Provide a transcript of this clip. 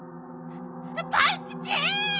パンキチ！